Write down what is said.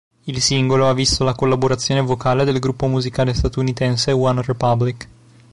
Il singolo ha visto la collaborazione vocale del gruppo musicale statunitense OneRepublic.